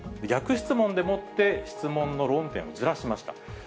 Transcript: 逆質問でもって、質問の論点をずらしました。